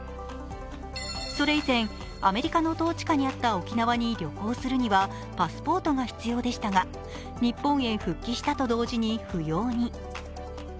それ以前、アメリカの統治下にあった沖縄に旅行するにはパスポートが必要でしたが、日本へ復帰したと同時に不要に。